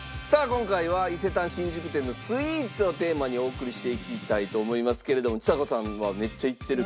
今回は伊勢丹新宿店のスイーツをテーマにお送りしていきたいと思いますけれどもちさ子さんはめっちゃ行ってると。